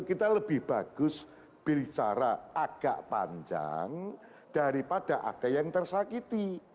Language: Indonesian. kita lebih bagus berbicara agak panjang daripada ada yang tersakiti